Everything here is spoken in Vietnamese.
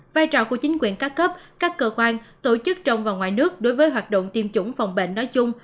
vai trò của chính quyền các cấp các cơ quan tổ chức trong và ngoài nước đối với hoạt động tiêm chủng phòng bệnh nói chung